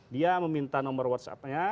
dia meminta nomor whatsappnya